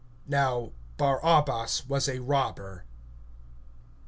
Now Barabbas was a robber.